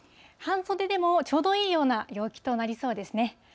半袖でもちょうどいいような陽気となりそうですね。